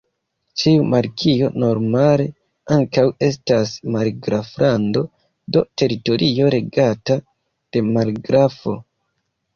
Ĉiu markio normale ankaŭ estas margraflando, do, teritorio regata de margrafo.